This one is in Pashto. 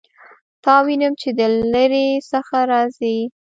تا وینم چې د لیرې څخه راځې